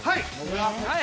はい。